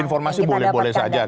informasi boleh boleh saja